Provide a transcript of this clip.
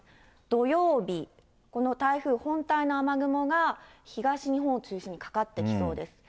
土曜日、この台風本体の雨雲が、東日本を中心にかかってきそうです。